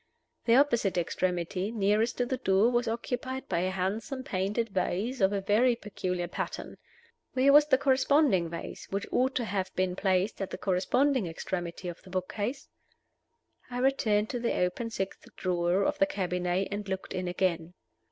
The opposite extremity, nearest to the door, was occupied by a handsome painted vase of a very peculiar pattern. Where was the corresponding vase, which ought to have been placed at the corresponding extremity of the book case? I returned to the open sixth drawer of the cabinet, and looked in again.